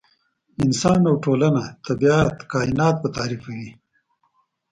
انسان او ټولنه، طبیعت، کاینات به تعریفوي.